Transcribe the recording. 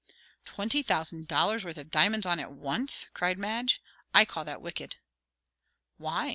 "Twenty thousand dollars' worth of diamonds on at once!" cried Madge. "I call that wicked!" "Why?"